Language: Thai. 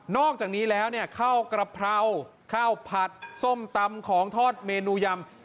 อกจากนี้แล้วเนี่ยข้าวกระเพราข้าวผัดส้มตำของทอดเมนูยำ